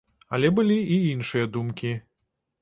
Але былі і іншыя думкі.